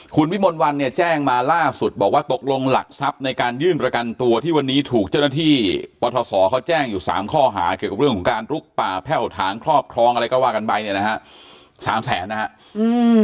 คุณวิมลวันเนี่ยแจ้งมาล่าสุดบอกว่าตกลงหลักทรัพย์ในการยื่นประกันตัวที่วันนี้ถูกเจ้าหน้าที่ปทศเขาแจ้งอยู่สามข้อหาเกี่ยวกับเรื่องของการลุกป่าแพ่วถางครอบครองอะไรก็ว่ากันไปเนี่ยนะฮะสามแสนนะฮะอืม